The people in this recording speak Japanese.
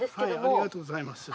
ありがとうございます。